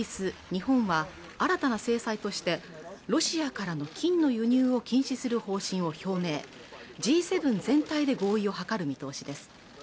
日本は新たな制裁としてロシアからの金の輸入を禁止する方針を表明Ｇ７全体で合意を図る見通しです